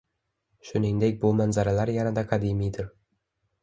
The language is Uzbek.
Shuningdek bu manzaralar yanada qadimiydir.